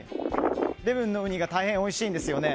礼文のウニが大変おいしいんですよね。